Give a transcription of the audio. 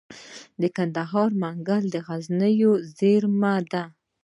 د کندهار منگل د غزنوي زیرمه ده